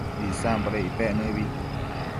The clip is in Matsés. Icsamboda icpec nëbi?